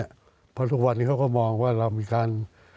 ตอนลุกวันหลายวันนี้เขาก็มองว่าเรามีการ